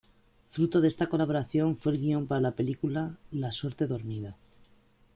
Fruto de esta colaboración fue el guion para la película "La suerte dormida.